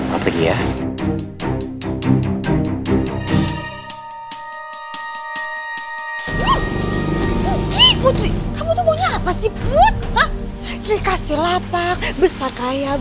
aku pergi ya